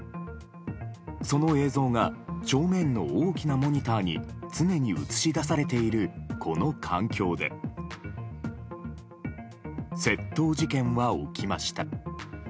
その映像が正面の大きなモニターに常に映し出されているこの環境で窃盗事件は起きました。